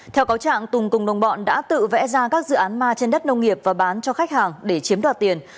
theo cáo trạng tùng cùng đồng bọn đã tự vẽ ra các dự án ma trên đất nông nghiệp và bán cho khách hàng để chiếm đoạt tiền